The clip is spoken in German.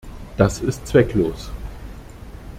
Das ist zwecklos.